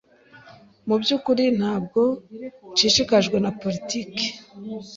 Mu byukuri ntabwo nshishikajwe na politiki.